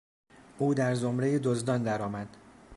او در زمرهی دزدان در آمد.